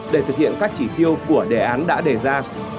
để thực hiện các chỉ tiêu của đề án đã đề ra